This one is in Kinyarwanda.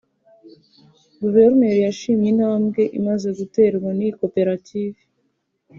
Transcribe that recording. Guverineri yashimye intambwe imaze guterwa n’iyi koperative